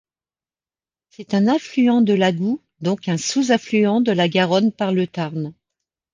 C'est un affluent de l'Agout, donc un sous-affluent de la Garonne par le Tarn.